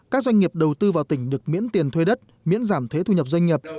các doanh nghiệp đầu tư vào tỉnh được miễn tiền thuê đất miễn giảm thuế thu nhập doanh nghiệp